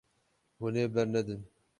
Hûn ê bernedin.